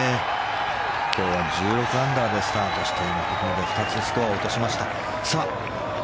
今日は１６アンダーでスタートしてここまで２つスコアを落としました。